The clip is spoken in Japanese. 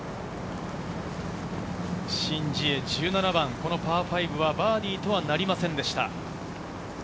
シン・ジエ、１７番、このパー５はバーディーとはなりませんでした。